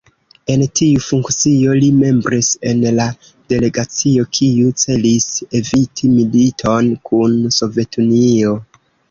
En tiu funkcio li membris en la delegacio kiu celis eviti militon kun Sovetunio.